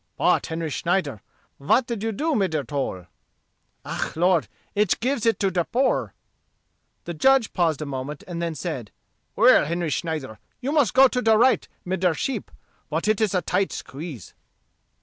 "But, Henry Snyder, vat did you do mid der toll?" "Ah, Lort, ich gives it to der poor." The judge paused for a moment, and then said, "Well, Henry Snyder, you must go to der right mid der sheep. But it is a tight squeeze."